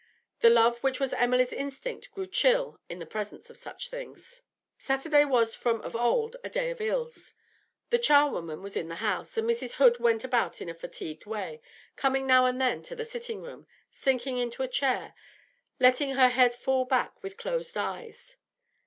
The love which was Emily's instinct grew chill in the presence of such things. Saturday was from of old a day of ills. The charwoman was in the house, and Mrs. Hood went about in a fatigued way, coming now and then to the sitting room, sinking into a chair, letting her head fall back with closed eyes.